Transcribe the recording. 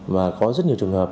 và có rất nhiều trường hợp